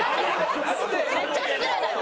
めっちゃ失礼だよ。